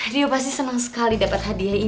dia pasti senang sekali dapat hadiah ini